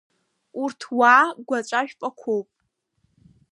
Урҭ уаа гәаҵәа жәпақәоуп.